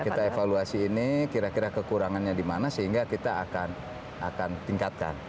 kita evaluasi ini kira kira kekurangannya di mana sehingga kita akan tingkatkan